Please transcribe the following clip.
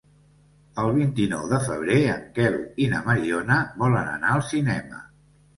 El vint-i-nou de febrer en Quel i na Mariona volen anar al cinema.